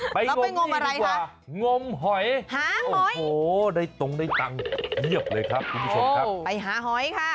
งมงดีกว่างมหอยโอ้โหได้ตรงได้ตังค์เพียบเลยครับคุณผู้ชมครับไปหาหอยค่ะ